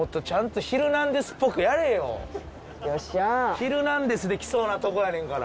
『ヒルナンデス！』で来そうなとこやから。